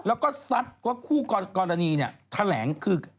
แล้วก็ซัดว่าคู่กรณีแทล้งคือ